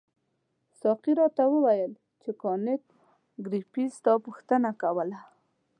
ساقي راته وویل چې کانت ګریفي ستا پوښتنه کوله.